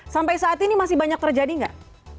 sampai saat ini masih banyak terjadi nggak